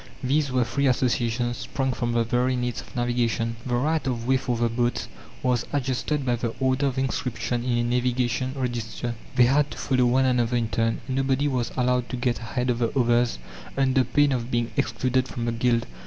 These were free associations sprung from the very needs of navigation. The right of way for the boats was adjusted by the order of inscription in a navigation register; they had to follow one another in turn. Nobody was allowed to get ahead of the others under pain of being excluded from the guild.